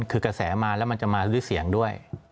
คือกระแสมาแล้วมันจะมาด้วยเสียงด้วย